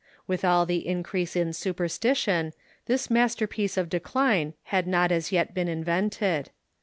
With all the increase in superstition, this masterpiece of de cline had not as yet been invented.